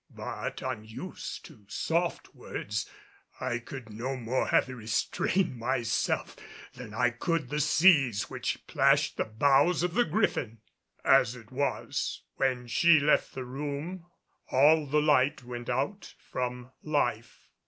But unused to soft words, I could no more have restrained myself than I could the seas which plashed the bows of the Griffin. As it was, when she left the room all the light went out from life.